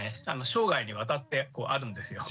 生涯にわたってあるんですよ。